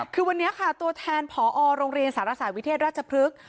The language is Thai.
คือวันนี้ค่ะตัวแทนผอโรงเรียนสารศาสตร์วิเทศราชพฤกษ์